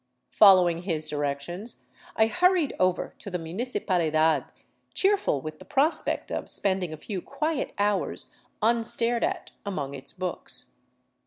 Following his directions, I hurried over to the Municipalidad, cheer ful with the prospect of spending a few quiet hours unstared at among its books.